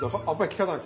聞かない。